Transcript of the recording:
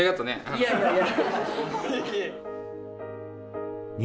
いやいやいや。